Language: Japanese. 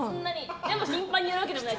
でも、頻繁にやるわけじゃない。